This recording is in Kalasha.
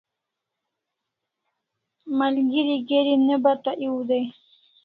Malgeri geri ne bata ew dai